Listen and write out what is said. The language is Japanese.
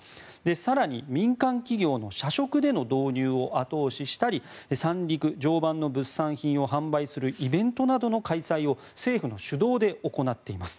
更に、民間企業の社食での導入を後押ししたり三陸・常磐の物産品を販売するイベントなどの開催を政府の主導で行っています。